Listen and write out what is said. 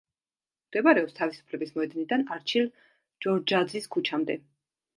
მდებარეობს თავისუფლების მოედნიდან არჩილ ჯორჯაძის ქუჩამდე.